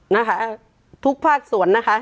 นะคะทุกภาคส่วนนะคะ